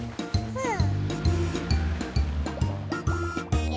うん！